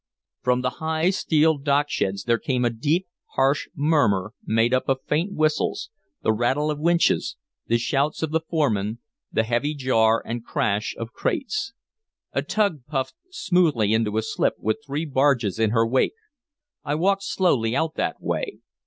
From the high steel docksheds there came a deep, harsh murmur made up of faint whistles, the rattle of winches, the shouts of the foremen, the heavy jar and crash of crates. A tug puffed smoothly into a slip with three barges in her wake. I walked slowly out that way.